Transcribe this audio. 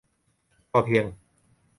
พอเพียง ?